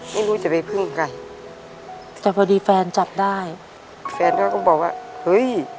ไม่รู้จะไปพึ่งใครแต่พอดีแฟนจับได้แฟนก็ต้องบอกว่าเฮ้ย